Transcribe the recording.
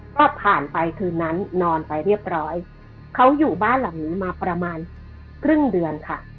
ก็ผ่านไปคืนนั้นนอนไปเรียบร้อยเขาอยู่บ้านหลังนี้มาประมาณครึ่งเดือนค่ะ